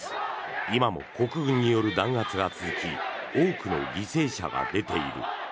今も国軍による弾圧が続き多くの犠牲者が出ている。